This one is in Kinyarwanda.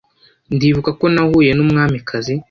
Ndibuka ko nahuye numwamikazi